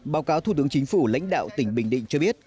báo cáo thủ tướng chính phủ lãnh đạo tỉnh bình định cho biết